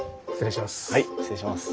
失礼します。